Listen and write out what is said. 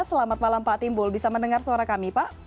selamat malam pak timbul bisa mendengar suara kami pak